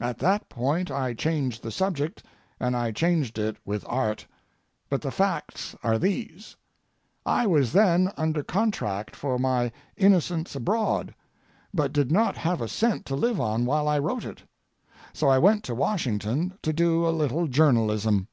At that point I changed the subject, and I changed it with art. But the facts are these: I was then under contract for my Innocents Abroad, but did not have a cent to live on while I wrote it. So I went to Washington to do a little journalism.